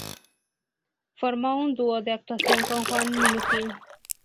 Formó un dúo de actuación con Juan Minujín.